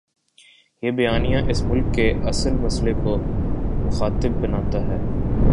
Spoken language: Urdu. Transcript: یہ بیانیہ اس ملک کے اصل مسئلے کو مخاطب بناتا ہے۔